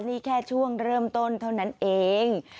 นี่แค่ช่วงเริ่มต้นเท่านั้นเอง